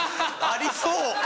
ありそう！